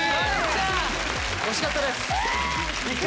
惜しかったです。